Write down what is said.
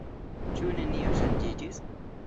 Ĉu nenio ŝanĝiĝis?